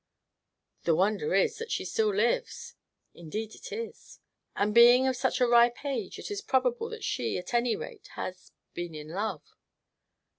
"The wonder is that she still lives." "Indeed it is!" "And, being of such a ripe age, it is probable that she, at any rate, has been in love."